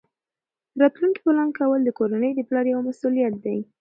د راتلونکي پلان کول د کورنۍ د پلار یوه مسؤلیت ده.